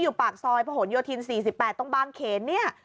อยู่ปากซอยพระห่วนโยธิน๔๘ต้องบ้านเขน